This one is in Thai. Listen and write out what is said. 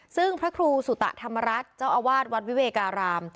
ซึ่งพระครูสุตะธรรมรัฐเจ้าอาวาสวัดวิเวการาม